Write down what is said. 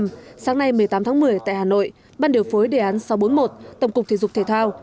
tầm vóc người việt nam sáng nay một mươi tám tháng một mươi tại hà nội ban điều phối đề án sáu trăm bốn mươi một tổng cục thể dục thể thao